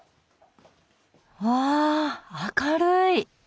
わあ明るい！